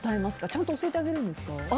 ちゃんと教えてあげるんですか？